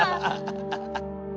ハハハハ。